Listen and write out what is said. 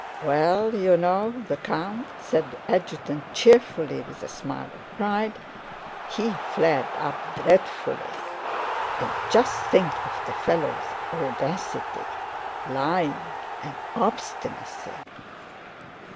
Well, you know the count," said the adjutant cheerfully, with a smile of pride, "he flared up dreadfully—and just think of the fellow's audacity, lying, and obstinacy!"